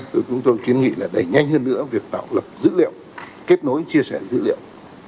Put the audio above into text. thì chúng tôi kiến nghị là đẩy nhanh hơn nữa việc tạo lập dữ liệu kết nối chia sẻ dữ liệu